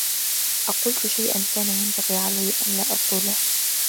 أقلت شيئا كان ينبغي علي أن لا أقوله؟